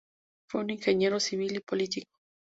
Fue un ingeniero civil y político.